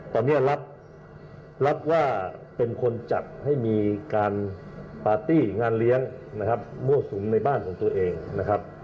ตอนนี้รับว่าเป็นคนจัดให้มีการปาร์ตี้งานเลี้ยงนะครับมั่วสุมในบ้านของตัวเองนะครับ